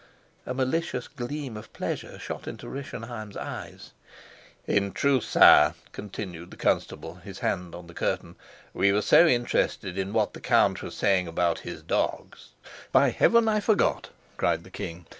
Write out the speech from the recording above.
A malicious gleam of pleasure shot into Rischenheim's eyes. "In truth, sire," continued the constable, his hand on the curtain, "we were so interested in what the count was saying about his dogs " "By heaven, I forgot!" cried the king.